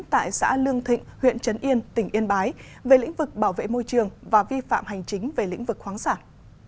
tại xã lương thịnh huyện trấn yên tỉnh yên bái về lĩnh vực bảo vệ môi trường và vi phạm hành chính về lĩnh vực khoáng sản